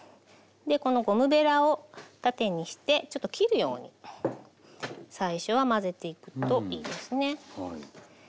このゴムべらを縦にしてちょっと切るように最初は混ぜていくといいですね。